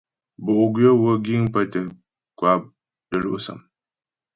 Bo'gwyə̌ wə́ giŋ pə́ tə́ kwà də́lɔ'sâm.